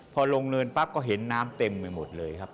พอลงเนินปั๊บก็เห็นน้ำเต็มไปหมดเลยครับ